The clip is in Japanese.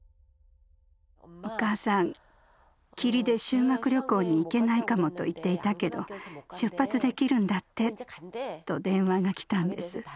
「お母さん霧で修学旅行に行けないかもと言っていたけど出発できるんだって」と電話が来たんです。